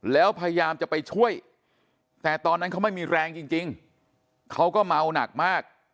แล้วพยายามจะไปช่วยแต่ตอนนั้นเขาไม่มีแรงจริงเขาก็เมาหนักมาก